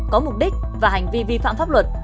có mục đích và hành vi vi phạm pháp luật